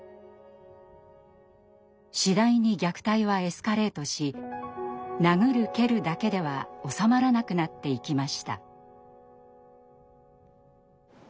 次第に虐待はエスカレートし殴る蹴るだけでは収まらなくなっていきました。